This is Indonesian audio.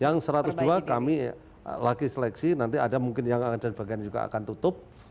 yang satu ratus dua kami lagi seleksi nanti ada mungkin yang ada bagian juga akan tutup